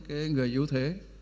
cái người yếu thế